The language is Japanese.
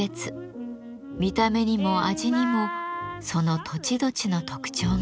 見た目にも味にもその土地土地の特徴が現れます。